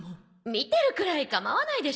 見てるくらい構わないでしょ？